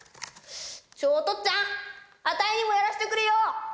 おとっつぁん、あたいにもやらせてくれよ！